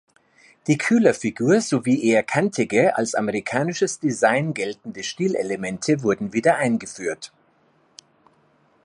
Die Kühlerfigur sowie eher kantige, als „amerikanisches Design“ geltende, Stilelemente wurden wieder eingeführt.